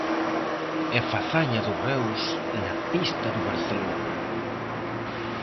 E fazaña do Reus na pista do Barcelona.